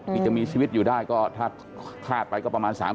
ที่จะมีชีวิตอยู่ได้ก็ถ้าคาดไปก็ประมาณ๓๐